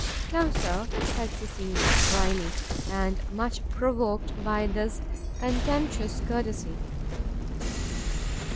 "No, Sir," said Cecilia, drily, and much provoked by this contemptuous courtesy.